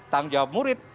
tanggung jawab murid